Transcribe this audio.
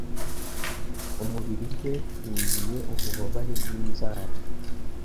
umubiri we wuzuye ububabare bw'inzara